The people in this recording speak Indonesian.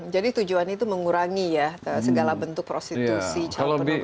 jadi tujuan itu mengurangi ya segala bentuk prostitusi cat penobrosi